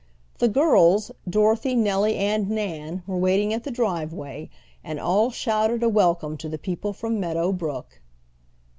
The girls, Dorothy, Nellie, and Nan, were waiting at the driveway, and all shouted a welcome to the people from Meadow Brook.